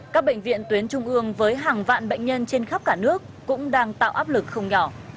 các bệnh viện tuyến trung ương với hàng vạn bệnh nhân trên khắp cả nước cũng đang tạo áp lực không nhỏ